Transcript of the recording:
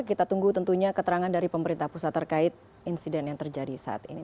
kita tunggu tentunya keterangan dari pemerintah pusat terkait insiden yang terjadi saat ini